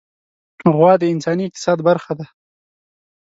غوا د انساني اقتصاد برخه ده.